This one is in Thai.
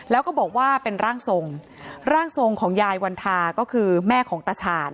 แล้วก็บอกว่าเป็นร่างทรงร่างทรงของยายวันทาก็คือแม่ของตาชาญ